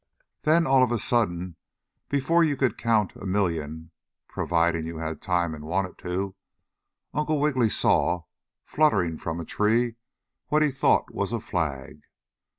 Then, all of a sudden, before you could count a million (providing you had time and wanted to), Uncle Wiggily saw, fluttering from a tree, what he thought was a flag.